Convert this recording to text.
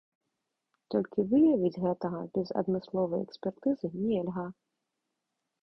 Толькі выявіць гэтага без адмысловай экспертызы нельга.